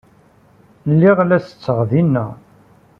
Lliɣ la setteɣ dinna.